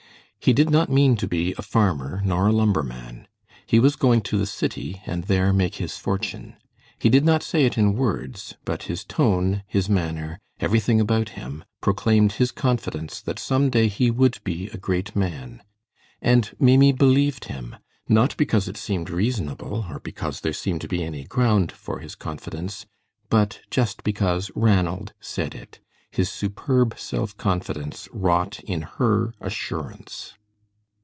He did not mean to be a farmer nor a lumberman. He was going to the city, and there make his fortune. He did not say it in words, but his tone, his manner, everything about him, proclaimed his confidence that some day he would be a great man. And Maimie believed him, not because it seemed reasonable, or because there seemed to be any ground for his confidence, but just because Ranald said it. His superb self confidence wrought in her assurance.